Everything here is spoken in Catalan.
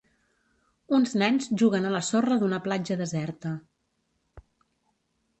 Uns nens juguen a la sorra d'una platja deserta.